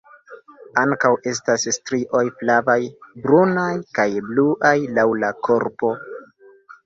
Ankaŭ estas strioj flavaj, brunaj kaj bluaj laŭ la korpo.